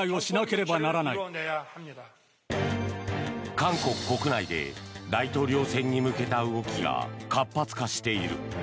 韓国国内で大統領選に向けた動きが活発化している。